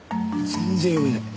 全然読めない。